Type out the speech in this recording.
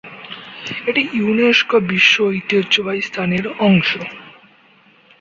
এটি ইউনেস্কো বিশ্ব ঐতিহ্যবাহী স্থানের অংশ।